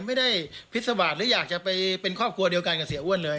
พิษวาสหรืออยากจะไปเป็นครอบครัวเดียวกันกับเสียอ้วนเลย